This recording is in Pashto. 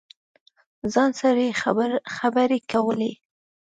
ځان سره یې خبرې کولې.